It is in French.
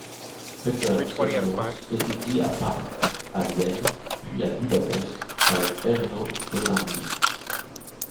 Péter Solymos étudie à Paris, à Vienne, puis à Budapest avec Ernő Dohnányi.